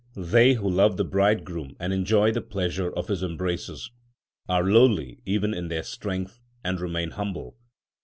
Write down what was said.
They who love the Bridegroom and enjoy the pleasure of His embraces, Are lowly even in their strength, and remain humble.